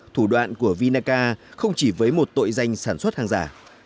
thủ đoạn của vinaca không chỉ với một tội danh sản xuất hàng giả